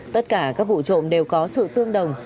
tất cả các vụ trộm đều có sự tương đồng